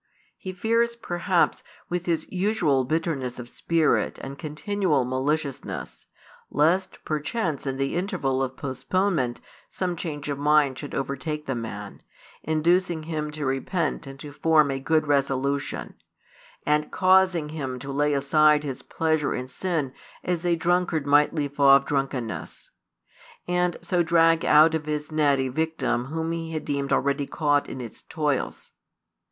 He fears, perhaps, with his usual bitterness of spirit and continual maliciousness, lest perchance in the interval of postponement some change of mind should overtake the man, inducing him to repent and to form a good resolution, and causing him to lay aside his pleasure in sin as a drunkard might leave off drunkenness; and so drag out of his net a victim whom he had deemed already caught in its toils.